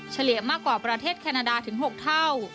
เฉลี่ยมากกว่าประเทศแคนาดาถึง๖เท่า